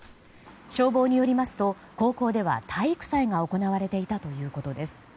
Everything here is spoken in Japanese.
消防によりますと、高校では体育祭が行われていたということです。